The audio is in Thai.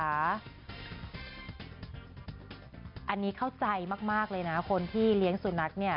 อันนี้เข้าใจมากเลยนะคนที่เลี้ยงสุนัขเนี่ย